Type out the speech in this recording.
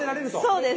そうです。